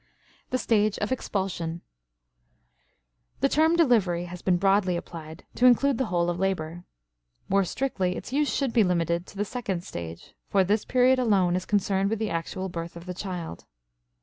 THE STAGE OF EXPULSION. The term delivery has been broadly applied to include the whole of labor. More strictly, its use should be limited to the second stage, for this period alone is concerned with the actual birth of the child.